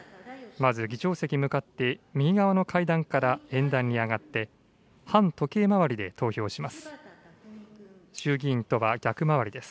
まず議長席に向かって右側の階段から演壇に上がって、反時計回りで投票します。